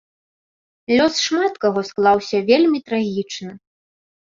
Лёс шмат каго склаўся вельмі трагічна.